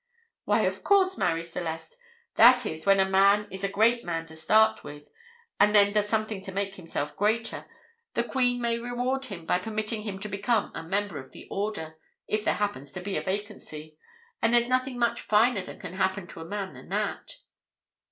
"Why, of course, Marie Celeste; that is, when a man is a great man to start with, and then does something to make himself greater, the Queen may reward him by permitting him to become a member of the Order, if there happens to be a vacancy; and there's nothing much finer can happen to a man than that."